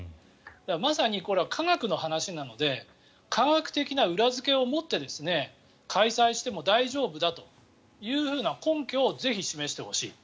まさにこれは科学の話なので科学的な裏付けをもって開催しても大丈夫だというふうな根拠をぜひ示してほしい。